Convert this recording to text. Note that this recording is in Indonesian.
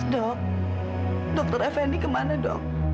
dok dr effendi kemana dok